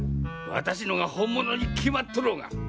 私のが本物に決まっとろうが！！